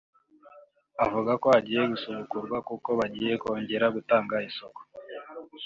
Avuga ko ugiye gusubukurwa kuko bagiye kongera gutanga isoko